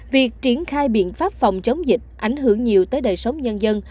việc triển khai biện pháp phòng chống dịch ảnh hưởng nhiều tới đời sống nhân dân